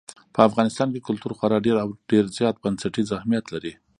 په افغانستان کې کلتور خورا ډېر او ډېر زیات بنسټیز اهمیت لري.